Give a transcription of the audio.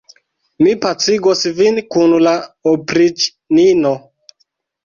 Mi pacigos vin kun la opriĉnino.